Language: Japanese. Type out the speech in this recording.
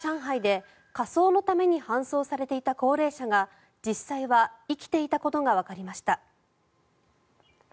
中国・上海で火葬のために搬送されていた高齢者が実際は生きていたことがわかりました。